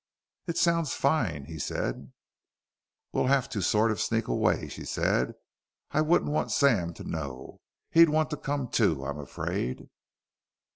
"It sounds fine," he said. "We'll have to sort of sneak away," she said. "I wouldn't want Sam to know. He'd want to come, too, I'm afraid."